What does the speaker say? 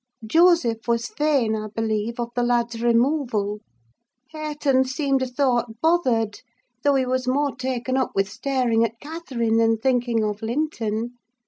Joseph was fain, I believe, of the lad's removal; Hareton seemed a thought bothered: though he was more taken up with staring at Catherine than thinking of Linton.